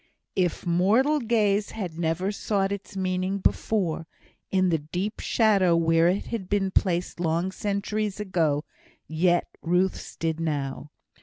If mortal gaze had never sought its meaning before, in the deep shadow where it had been placed long centuries ago, yet Ruth's did now.